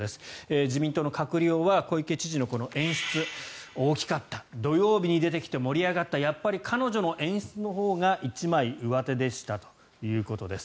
自民党の閣僚は小池知事のこの演出、大きかった土曜日に出てきて盛り上がったやっぱり彼女の演出のほうが一枚上手でしたということです。